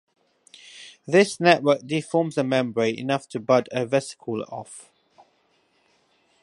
This network deforms the membrane enough to bud a vesicle off.